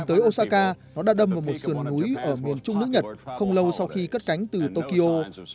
tới osaka nó đã đâm vào một sườn núi ở miền trung nước nhật không lâu sau khi cất cánh từ tokyo